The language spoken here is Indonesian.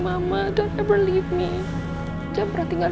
mama kan selalu dengerin al